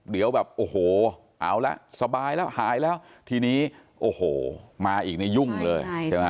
เดี๋ยวแบบโอ้โหเอาละสบายแล้วหายแล้วทีนี้โอ้โหมาอีกนี่ยุ่งเลยใช่ไหม